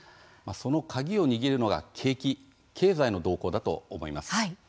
その鍵を握るのは景気、経済の動向だと思います。